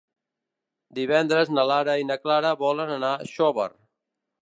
Divendres na Lara i na Clara volen anar a Xóvar.